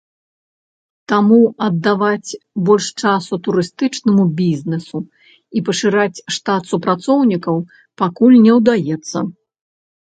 Таму аддаваць больш часу турыстычнаму бізнесу і пашыраць штат супрацоўнікаў пакуль не ўдаецца.